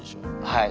はい。